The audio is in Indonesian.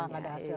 nggak ada hasil